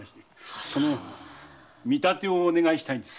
その見立てをお願いしたいんです。